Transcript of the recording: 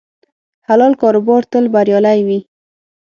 حلال کاروبار تل بریالی وي.